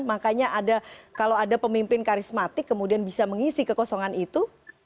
makanya kalau ada pemimpin karismatik kemudian bisa mengisi kekosongan itu